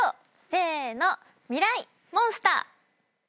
せーのミライ☆モンスター。